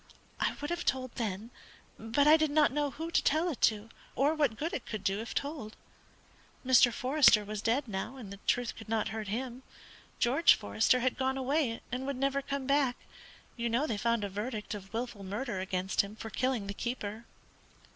I would have told then, but I did not know who to tell it to, or what good it could do if told. Mr. Forester was dead now, and the truth could not hurt him. George Forester had gone away, and would never come back; you know they found a verdict of wilful murder against him for killing the keeper.